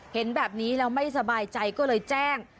เห็นแบบนี้แล้วไม่สบายใจก็เลยแจ้ง